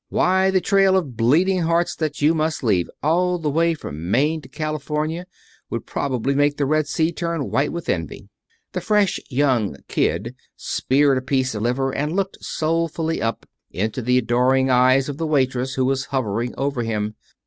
Why, the trail of bleeding hearts that you must leave all the way from Maine to California would probably make the Red Sea turn white with envy." The Fresh Young Kid speared a piece of liver and looked soulfully up into the adoring eyes of the waitress who was hovering over him.